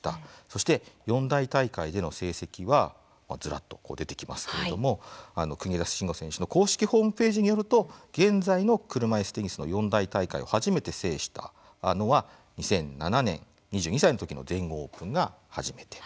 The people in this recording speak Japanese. そして、四大大会での成績はずらっと出てきますけれども国枝慎吾選手の公式ホームページによると現在の車いすテニスの四大大会を初めて制したのは２００７年、２２歳のときの全豪オープンが初めて。